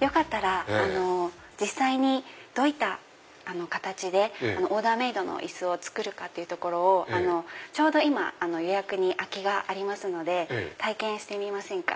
よかったら実際にどういった形でオーダーメイドの椅子を作るかっていうところをちょうど今予約に空きがありますので体験してみませんか？